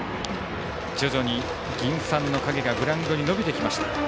徐々に銀傘の影がグラウンドに伸びてきました。